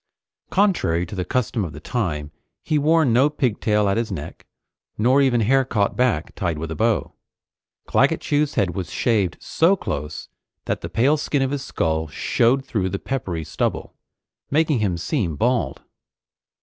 Contrary to the custom of the time, he wore no pigtail at his neck, nor even hair caught back, tied with a bow. Claggett Chew's head was shaved so close that the pale skin of his skull showed through the peppery stubble, making him seem bald.